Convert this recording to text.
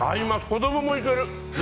子供もいける。